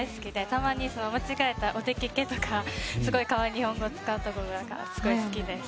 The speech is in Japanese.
たまに間違えた「おでけけ」とかすごい可愛い日本語を使うところがすごい好きです。